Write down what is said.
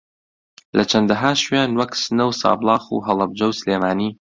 لە چەندەھا شوێن وەک سنە و سابڵاخ و ھەڵەبجە و سلێمانی